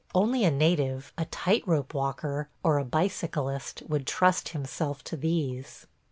Only a native, a tight rope walker, or a bicyclist would trust himself to these.